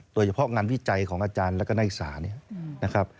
โดยเฉพาะงานวิจัยของอาจารย์แล้วก็นักศึกษาเนี่ยนะครับ